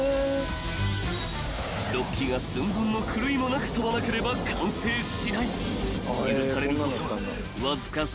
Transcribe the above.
［６機が寸分の狂いもなく飛ばなければ完成しない］